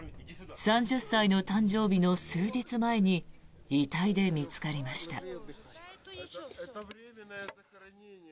３０歳の誕生日の数日前に遺体で見つかりました。